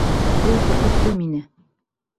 Ул ҡурҡытты мине!